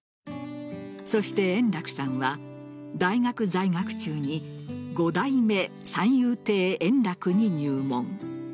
そして円楽さんは大学在学中に五代目三遊亭圓楽に入門。